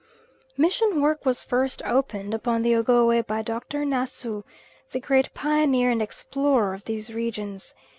Mission work was first opened upon the Ogowe by Dr. Nassau, the great pioneer and explorer of these regions.